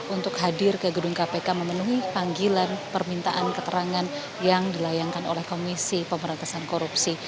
untuk hadir ke gedung kpk memenuhi panggilan permintaan keterangan yang dilayangkan oleh komisi pemerintahan korupsi